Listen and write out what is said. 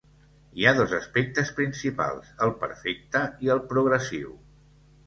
Hi ha dos aspectes principals: el perfecte i el progressiu.